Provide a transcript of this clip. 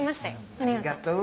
ありがとう。